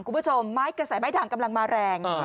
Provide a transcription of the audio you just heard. คุณผู้ชมไม้กระแสไม้ด่างกำลังมาแรง